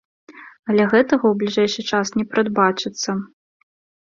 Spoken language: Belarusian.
А гэтага ў бліжэйшы час не прадбачыцца.